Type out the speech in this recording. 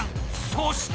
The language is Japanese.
そして。